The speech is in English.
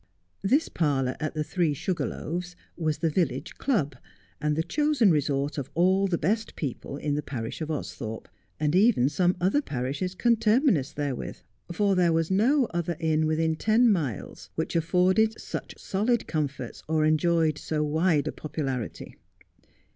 This parlour at the ' Three Sugar Loaves ' was the village club, and the chosen resort of all the best people in the parish of Austhorpe, and even some other parishes conterminous there with ; for there was no other inn within ten miles which afforded such solid comforts or enjoyed so wide a popularity.